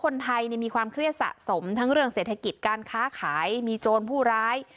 คนไทยมีความเครียดสะสมทั้งเรื่องเศรษฐกิจการค้าขายมีโจรผู้ร้าย